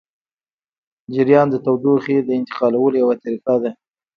جریان د تودوخې د انتقالولو یوه طریقه ده.